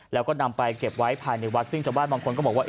แล้วก็นำไปเก็บไว้ภายในวัดซึ่งชาวบ้านบางคนก็บอกว่า